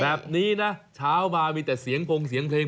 แบบนี้นะเช้ามามีแต่เสียงพงเสียงเพลง